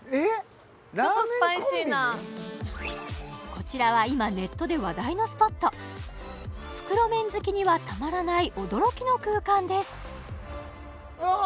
こちらは今ネットで話題のスポット袋麺好きにはたまらない驚きの空間ですわっ！